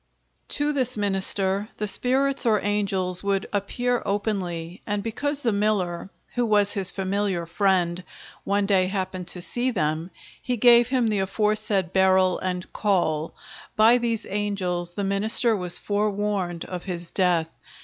To this minister, the spirits or angels would appear openly, and because the miller (who was his familiar friend) one day happened to see them, he gave him the aforesaid Beryl and Call; by these angels the minister was forewarned of his death.